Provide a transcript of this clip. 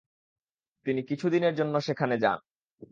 তিনি কিছুদিনের জন্য সেখানে যান।